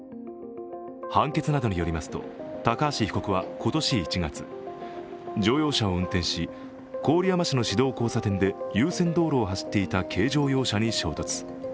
判決などによりますと、高橋被告は今年１月、乗用車を運転し、郡山市の市道交差点で優先道路を走っていた軽乗用車に衝突。